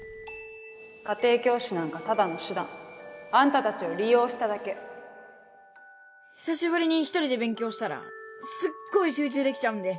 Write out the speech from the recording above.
家庭教師なんかただの手段あんたたち久しぶりに１人で勉強したらすっごい集中できちゃうんで。